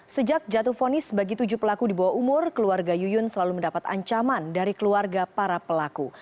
sejak jatuh fonis bagi tujuh pelaku di bawah umur keluarga yuyun selalu mendapat ancaman dari keluarga para pelaku